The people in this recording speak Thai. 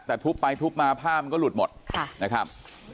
แต่ทุบไปทุบมาผ้ามันก็หลุดหมดนะครับ